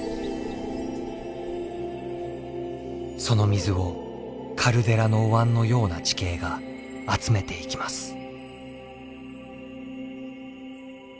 その水をカルデラのおわんのような地形が集めていきます。